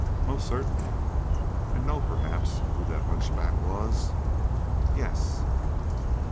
"Most certainly." "And know, perhaps, who that hunchback was?" "Yes."